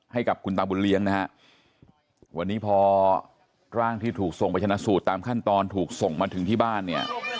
ให้กับคุณตาบุญเลี้ยงนะฮะวันนี้พอร่างที่ถูกส่งไปชนะสูตรตามขั้นตอนถูกส่งมาถึงที่บ้านเนี่ย